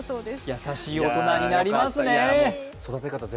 優しい大人になりますね。